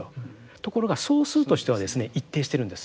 ところが総数としてはですね一定してるんです。